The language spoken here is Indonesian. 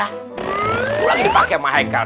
itu lagi dipake sama heikal